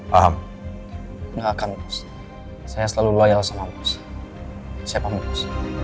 hai paham enggak akan saya selalu loyal sama siapa musik